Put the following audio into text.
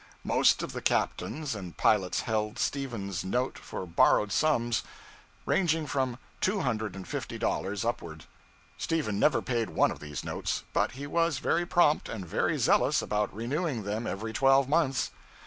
Most of the captains and pilots held Stephen's note for borrowed sums, ranging from two hundred and fifty dollars upward. Stephen never paid one of these notes, but he was very prompt and very zealous about renewing them every twelve months.